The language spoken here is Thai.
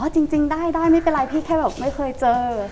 จริงได้ได้ไม่เป็นไรพี่แค่แบบไม่เคยเจอ